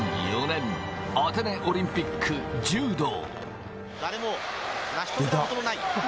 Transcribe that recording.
２００４年、アテネオリンピック、柔道。